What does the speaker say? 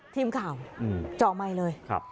ทีมข่าวจอไม่เลย